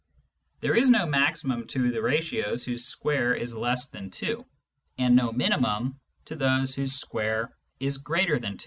There is no maximum to the ratios whose square is less than 2, and no minimum to those whose square is greater than 2.